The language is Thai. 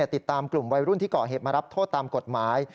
ติดตามกลุ่มวัยรุ่นที่ก่อเหตุมารับโทษตามกฎหมาย